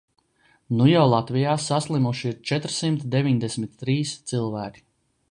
Nu jau Latvijā saslimuši ir četrsimt deviņdesmit trīs cilvēki.